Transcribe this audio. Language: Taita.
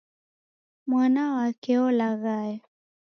Mwana wake olaghaya